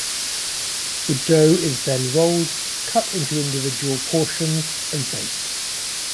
The dough is then rolled, cut into individual portions, and baked.